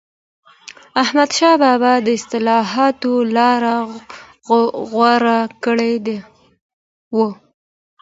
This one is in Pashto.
احمدشاه بابا د اصلاحاتو لاره غوره کړې وه.